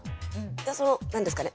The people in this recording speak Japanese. その何ですかね